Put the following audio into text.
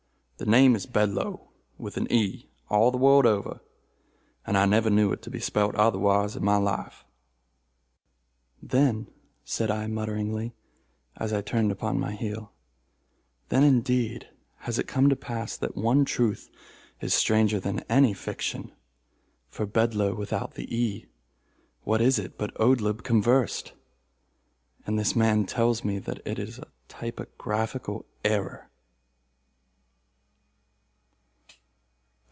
The name is Bedlo with an e, all the world over, and I never knew it to be spelt otherwise in my life." "Then," said I mutteringly, as I turned upon my heel, "then indeed has it come to pass that one truth is stranger than any fiction—for Bedloe, without the e, what is it but Oldeb conversed! And this man tells me that it is a typographical error."